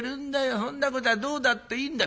そんなことはどうだっていいんだよ。